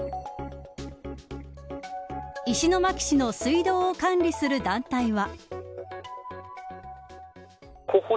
石巻市の水道を管理する団体は。